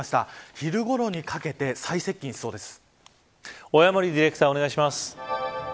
昼ごろにかけて最接近しそうです。